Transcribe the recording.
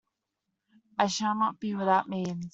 I shall not be without means.